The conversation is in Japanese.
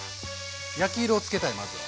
焼き色を付けたいまずは。